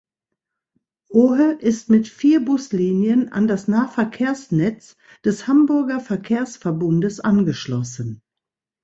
Ohe ist mit vier Buslinien an das Nahverkehrsnetz des Hamburger Verkehrsverbundes angeschlossen.